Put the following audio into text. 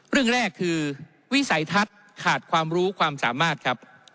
เรื่องแรกคือวิสัยทัศน์ขาดความรู้ความสามารถครับ